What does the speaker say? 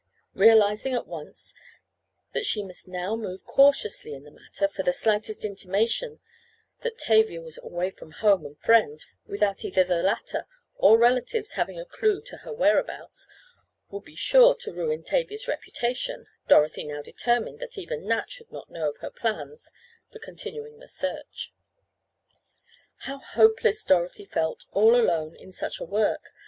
Realizing at once that she must now move cautiously in the matter, for the slightest intimation that Tavia was away from home and friends, without either the latter or relatives having a clue to her whereabouts, would be sure to ruin Tavia's reputation, Dorothy now determined that even Nat should not know of her plans for continuing the search. How hopeless Dorothy felt all alone in such a work!